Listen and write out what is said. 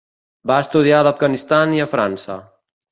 Va estudiar a l'Afganistan i a França.